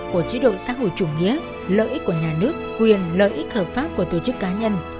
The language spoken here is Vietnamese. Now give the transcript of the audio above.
của chế độ xã hội chủ nghĩa lợi ích của nhà nước quyền lợi ích hợp pháp của tổ chức cá nhân